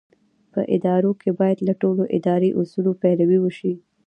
په ادارو کې باید له ټولو اداري اصولو پیروي وشي.